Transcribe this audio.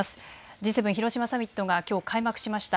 Ｇ７広島サミットがきょう開幕しました。